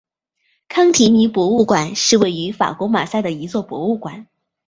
康提尼博物馆是位于法国马赛的一座博物馆。